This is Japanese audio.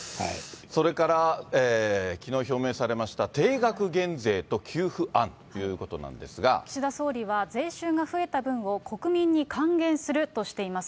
それからきのう表明されました定額減税と給付案ということな岸田総理は税収が増えた分を国民に還元するとしています。